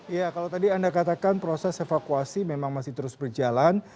ya kalau tadi anda katakan proses evakuasi memang masih terus berjalan